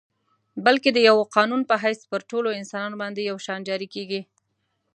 بلکه د یوه قانون په حیث پر ټولو انسانانو باندي یو شان جاري کیږي.